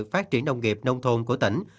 phát triển nông nghiệp nông thôn của tỉnh